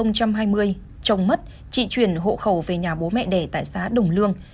năm hai nghìn hai mươi chồng mất chị chuyển hộ khẩu về nhà bố mẹ đẻ tại xã đồng lương